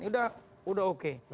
udah udah oke